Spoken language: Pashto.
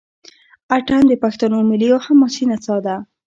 اټن د پښتنو ملي او حماسي نڅا ده.